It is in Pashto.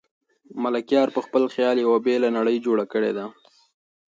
ملکیار په خپل خیال یوه بېله نړۍ جوړه کړې ده.